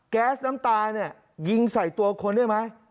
แก๊สน้ำตาเนี่ยยิงใส่ตัวคนได้ไหม